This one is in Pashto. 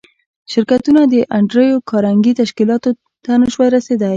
شرکتونه د انډریو کارنګي تشکیلاتو ته نشوای رسېدای